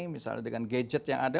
misalnya dengan gadget yang ada